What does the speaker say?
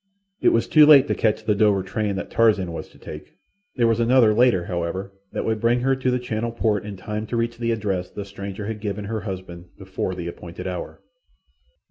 It was too late to catch the Dover train that Tarzan was to take. There was another, later, however, that would bring her to the Channel port in time to reach the address the stranger had given her husband before the appointed hour.